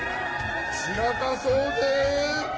ちらかそうぜ！